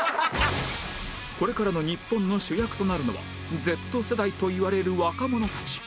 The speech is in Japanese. これからの日本の主役となるのは Ｚ 世代といわれる若者たち